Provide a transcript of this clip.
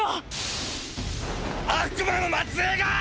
悪魔の末裔が！！